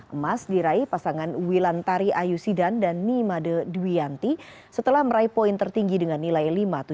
emas diraih pasangan wilantari ayusidan dan nimade dwianti setelah meraih poin tertinggi dengan nilai lima tujuh